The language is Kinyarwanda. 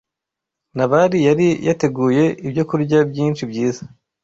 Nabali yari yateguye ibyokurya byinshi byiza.